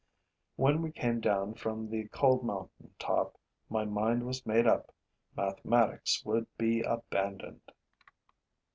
When we came down from the cold mountaintop, my mind was made up: mathematics would be abandoned.